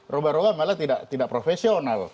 rubah rubah malah tidak profesional